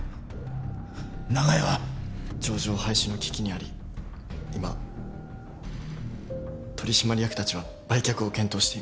上場廃止の危機にあり今取締役たちは売却を検討しています。